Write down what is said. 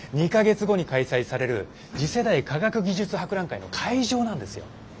２か月後に開催される次世代科学技術博覧会の会場なんですよ。